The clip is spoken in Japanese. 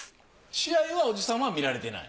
試合は伯父さんは観られてない？